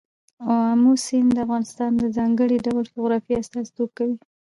آمو سیند د افغانستان د ځانګړي ډول جغرافیه استازیتوب کوي.